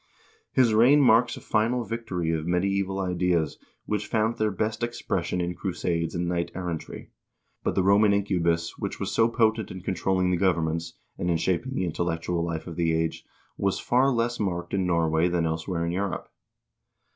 I lis reign marks a final victory of medieval ideas, which found their best expression in crusades and knight errantry, but the Roman incubus, which was so potent in controlling the governments, and in shaping the intellectual life of the age, was far less marked in Nor way than elsewhere in Europe.